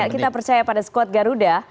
kita percaya pada squad garuda